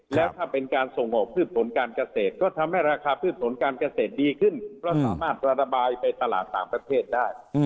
แล้วถ้าเป็นการส่งออกพืชผลการเกษตรก็ทำให้ราคาพืชผลการเกษตรดีขึ้นเพราะสามารถระบายไปตลาดต่างประเทศได้